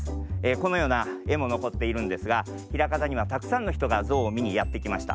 このようなえものこっているんですがひらかたにはたくさんのひとがゾウをみにやってきました。